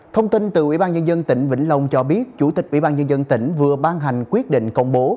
thông tin từ ubnd tỉnh vĩnh long cho biết chủ tịch ubnd tỉnh vừa ban hành quyết định công bố